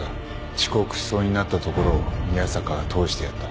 遅刻しそうになったところを宮坂が通してやった。